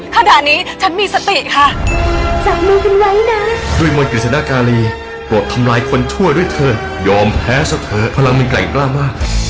ขณะนี้ฉันมีสติค่ะ